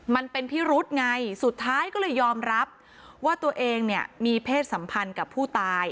มันเป็นพิรุษไงสุดท้ายก็เลยยอมรับว่าตัวเองเนี่ยมีเพศสัมพันธ์กับผู้ตาย